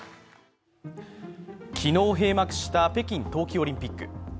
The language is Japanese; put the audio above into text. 昨日閉幕した北京冬季オリンピック。